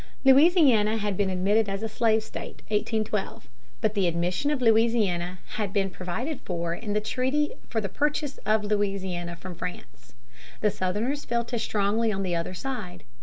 Louisiana had been admitted as a slave state (1812). But the admission of Louisiana had been provided for in the treaty for the purchase of Louisiana from France. The Southerners felt as strongly on the other side.